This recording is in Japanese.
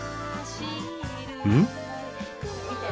うん？